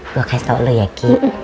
gue kasih tau lo ya ki